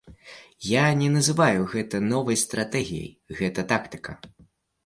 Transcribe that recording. Я не называю гэта новай стратэгіяй, гэта тактыка.